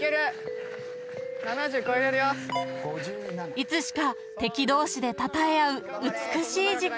［いつしか敵同士でたたえ合う美しい時間］